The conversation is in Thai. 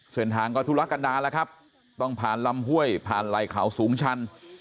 เสนทางก็ทุลักษณ์อันดาระครับต้องผ่านลำห้วยผ่านลายขาวสูงชัน